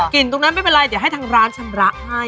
ตรงนั้นไม่เป็นไรเดี๋ยวให้ทางร้านชำระให้